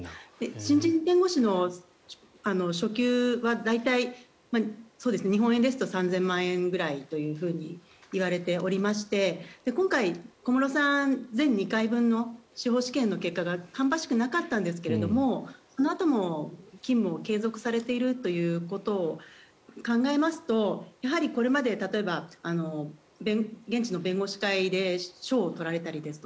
新人弁護士の初給は大体、日本円ですと３０００万円ぐらいといわれておりまして今回、小室さん前２回分の司法試験の結果が芳しくなかったんですがそのあとも勤務を継続されているということを考えますとやはり、これまで例えば現地の弁護士会で賞を取られたり